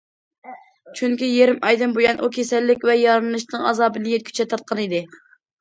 چۈنكى يېرىم ئايدىن بۇيان، ئۇ كېسەللىك ۋە يارىلىنىشنىڭ ئازابىنى يەتكۈچە تارتقانىدى.